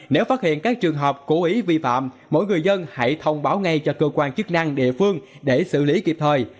nếu phát hiện các trường hợp cố ý vi phạm mỗi người dân hãy thông báo ngay cho cơ quan chức năng địa phương để xử lý kịp thời